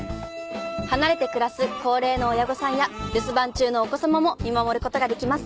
離れて暮らす高齢の親御さんや留守番中のお子様も見守る事ができます。